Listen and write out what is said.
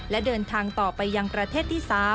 และเดินทางต่อไปยังประเทศที่๓